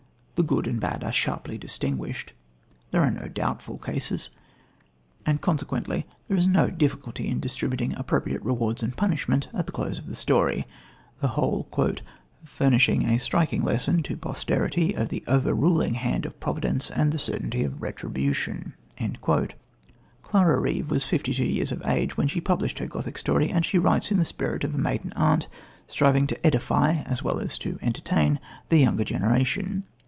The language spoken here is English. The good and bad are sharply distinguished. There are no "doubtful cases," and consequently there is no difficulty in distributing appropriate rewards and punishments at the close of the story the whole "furnishing a striking lesson to posterity of the overruling hand of providence and the certainty of retribution." Clara Reeve was fifty two years of age when she published her Gothic story, and she writes in the spirit of a maiden aunt striving to edify as well as to entertain the younger generation.